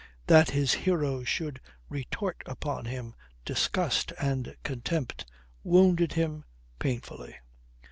That his hero should retort upon him disgust and contempt wounded him painfully.